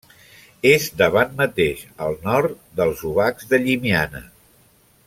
És davant mateix, al nord, dels Obacs de Llimiana.